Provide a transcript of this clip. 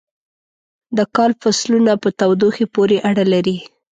د کال فصلونه په تودوخې پورې اړه لري.